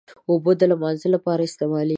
اوبه د لمانځه لپاره استعمالېږي.